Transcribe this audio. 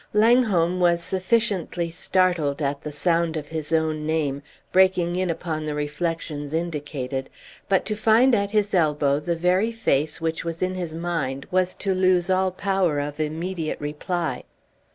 Langholm was sufficiently startled at the sound of his own name, breaking in upon the reflections indicated, but to find at his elbow the very face which was in his mind was to lose all power of immediate reply.